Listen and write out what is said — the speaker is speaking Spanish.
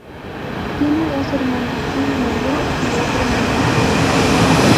Tiene dos hermanos, uno mayor y otro menor que ella.